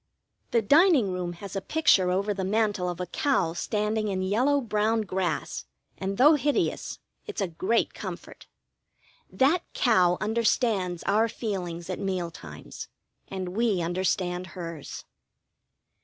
The dining room has a picture over the mantel of a cow standing in yellow brown grass, and, though hideous, it's a great comfort. That cow understands our feelings at mealtimes, and we understand hers.